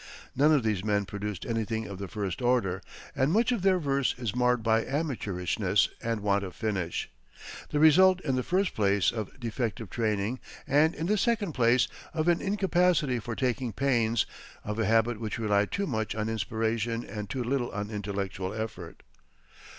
None of these men produced anything of the first order, and much of their verse is marred by amateurishness and want of finish the result, in the first place, of defective training, and, in the second place, of an incapacity for taking pains, of a habit which relied too much on "inspiration" and too little on intellectual effort.